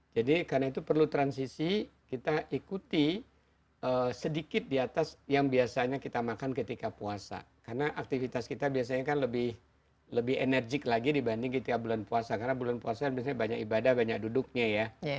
jadi karena itu perlu transisi kita ikuti sedikit di atas yang biasanya kita makan ketika puasa karena aktivitas kita biasanya kan lebih lebih enerjik lagi dibanding ketika bulan puasa karena bulan puasa biasanya banyak ibadah banyak duduknya ya